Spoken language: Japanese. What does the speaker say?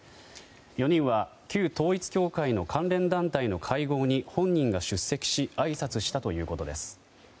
４人は旧統一教会の関連団体の会合に本人が出席しあいさつしたということです。